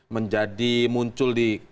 menjadi muncul di